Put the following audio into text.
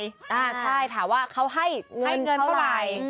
ใช่ถามว่าเขาให้เงินเท่าไหร่